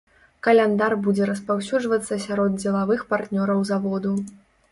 Каляндар будзе распаўсюджвацца сярод дзелавых партнёраў заводу.